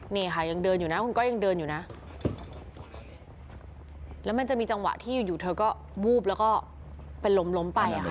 นี่ค่ะยังเดินอยู่นะคุณก้อยยังเดินอยู่นะแล้วมันจะมีจังหวะที่อยู่อยู่เธอก็วูบแล้วก็เป็นลมล้มไปอ่ะค่ะ